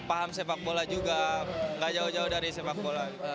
e sport e sport juga nggak jauh jauh dari sepak bola